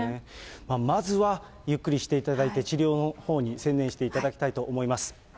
まずはゆっくりしていただいて、治療のほうに専念していただきたいと思います。